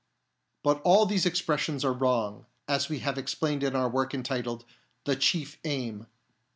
But all these expressions are wrong, as we have explained in our work entitled The Chief Aim.